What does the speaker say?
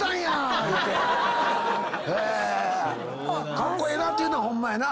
カッコエエなというのはホンマやな。